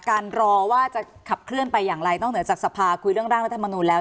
รอว่าจะขับเคลื่อนไปอย่างไรนอกเหนือจากสภาคุยเรื่องร่างรัฐมนูลแล้ว